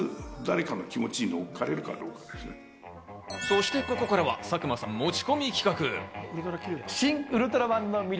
そしてここからは佐久間さん持ち込み企画。